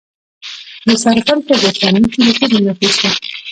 د سرپل په ګوسفندي کې د تیلو نښې شته.